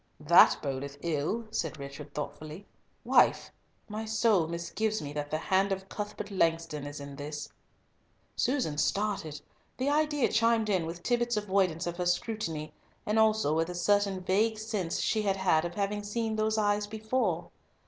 "That bodeth ill!" said Richard, thoughtfully. "Wife, my soul misgives me that the hand of Cuthbert Langston is in this." Susan started. The idea chimed in with Tibbott's avoidance of her scrutiny, and also with a certain vague sense she had had of having seen those eyes before.